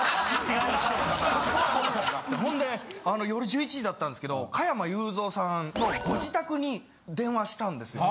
ほんで夜１１時だったんですけど加山雄三さんのご自宅に電話したんですよ。